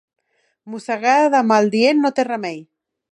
Mossegada de maldient no té remei.